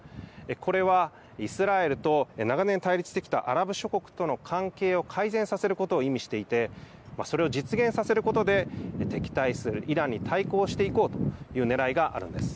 これは、イスラエルと長年、対立してきたアラブ諸国との関係を改善させることを意味していてそれを実現させることで敵対するイランに対抗していこうというねらいがあるんです。